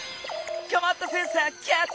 こまったセンサーキャッチ！